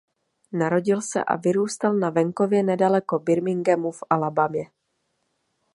Narodil se a vyrůstal na venkově nedaleko Birminghamu v Alabamě.